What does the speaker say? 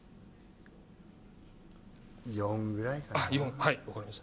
４ぐらいかな。